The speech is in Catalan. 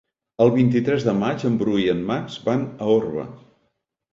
El vint-i-tres de maig en Bru i en Max van a Orba.